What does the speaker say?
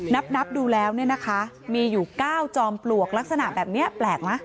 นับดูแล้วเนี่ยนะคะมีอยู่๙จอมปลวกลักษณะแบบนี้แปลกไหม